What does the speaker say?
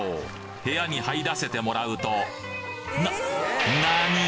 部屋に入らせてもらうとななに！！